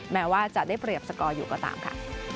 แม้ว่าจะได้เปรียบสกอร์อยู่ก็ตามค่ะ